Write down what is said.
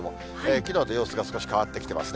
きのうと様子が少し変わってきてますね。